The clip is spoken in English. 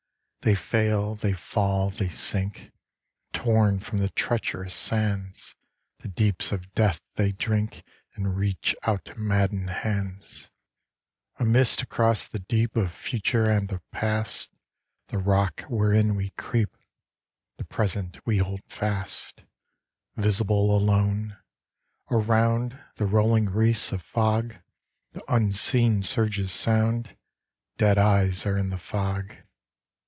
They fail, they fall, they sink, Torn from the treacherous sands; The deeps of death they drink And reach out madden'd hands. A mist across the deep Of future and of past, The rock whereon we creep, The present we hold fast, Visible alone. Around, The rolling wreathes of fog; The unseen surges sound; Dead eyes are in the fog.